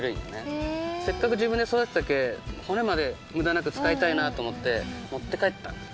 せっかく自分で育てたけ骨まで無駄なく使いたいなと思って持って帰ったんです。